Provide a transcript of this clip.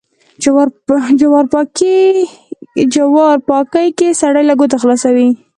جوار پاکي کې سړی له گوتو خلاصوي.